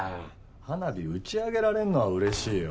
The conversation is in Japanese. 花火打ち上げられるのは嬉しいよ。